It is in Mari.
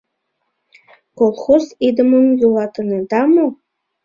— Колхоз идымым йӱлатынеда мо?